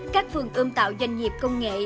các vườn ưm tạo doanh nghiệp công nghệ